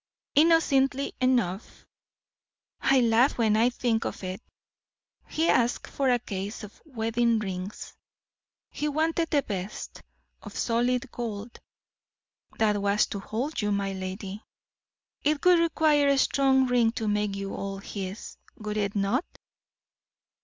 Innocently enough I laugh when I think of it he asked for a case of wedding rings; he wanted the best, of solid gold. That was to hold you, my lady. It would require a strong ring to make you all his, would it not?